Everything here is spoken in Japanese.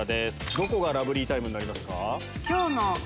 どこがラブリータイムになりますか？